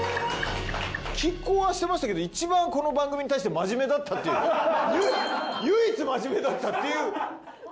拮抗はしてましたけどいちばんこの番組に対してマジメだったっていう唯一マジメだったっていう。